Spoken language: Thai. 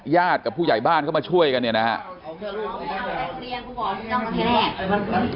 ญาติกับผู้ใหญาบ้านก็มาช่วยกันนะครับ